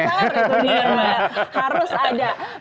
nastar itu di rumah harus ada